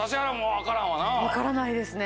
分からないですね。